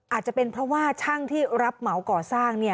อาจจะเป็นเพราะว่าช่างที่รับเหมาก่อสร้าง